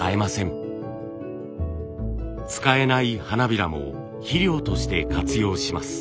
使えない花びらも肥料として活用します。